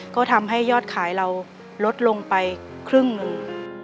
ก็ทำให้ยอดขายเราลดลงไปครึ่งหนึ่ง